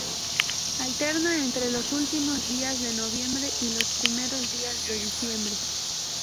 Alterna entre los últimos días de noviembre y los primeros días de diciembre.